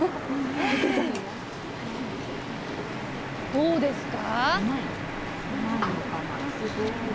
どうですか。